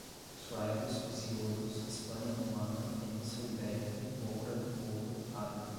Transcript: suevos, visigodos, Hispânia romana, Península Ibérica, moura, mouro, árabe